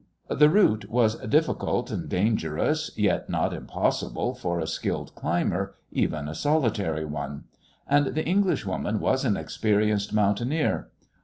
The route was difficult and dangerous, yet not impossible for a skilled climber, even a solitary one. And the Englishwoman was an experienced mountaineer.